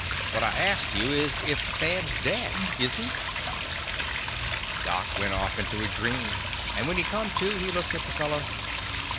What I asked you is if Sam 's dead. Is he ?" Doc went off into a dream, and when he come to, he looks at the feller.